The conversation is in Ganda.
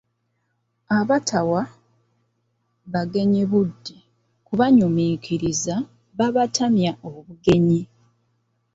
Abatawa bagenyi budde kubanyuminkiriza babatamya obugenyi.